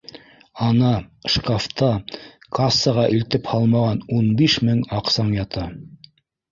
— Ана, шкафта кассаға илтеп һалмаған ун биш мең аҡсаң ята